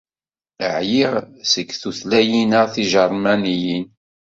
Ɛyiɣ seg tutlayin-a tiǧermaniyin.